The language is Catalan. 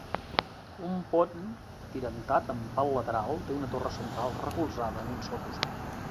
Un pont atirantat amb pal lateral té una torre central recolzada en un sol costat.